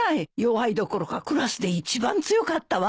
弱いどころかクラスで一番強かったわ。